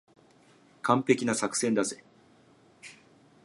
完璧な作戦だぜ。